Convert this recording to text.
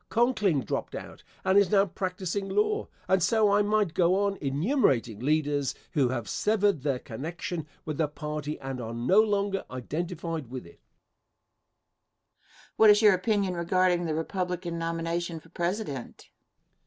Conkling dropped out and is now practicing law, and so I might go on enumerating leaders who have severed their connection with the party and are no longer identified with it. Question. What is your opinion regarding the Republican nomination for President?